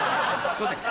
すいません。